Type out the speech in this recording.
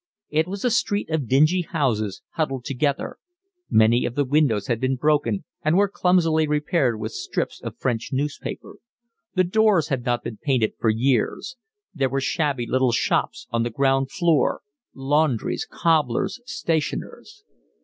It was a street of dingy houses huddled together; many of the windows had been broken and were clumsily repaired with strips of French newspaper; the doors had not been painted for years; there were shabby little shops on the ground floor, laundries, cobblers, stationers.